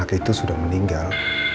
anak itu sudah meninggal